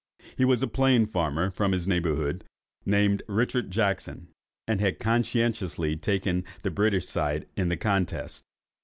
He was a plain farmer from this neighbourhood, named Richard Jackson, and had conscientiously taken the British side in the contest.